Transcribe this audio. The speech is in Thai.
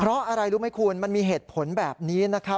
เพราะอะไรรู้ไหมคุณมันมีเหตุผลแบบนี้นะครับ